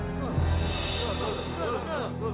tuh tuh tuh